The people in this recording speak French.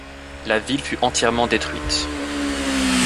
La ville fut entièrement détruite.